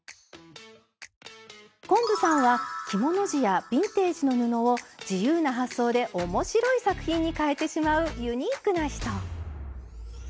昆布さんは着物地やビンテージの布を自由な発想で面白い作品にかえてしまうユニークな人。